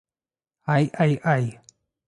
Ай, ай, ай!